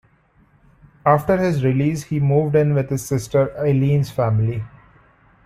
After his release, he moved in with his sister Eileen's family.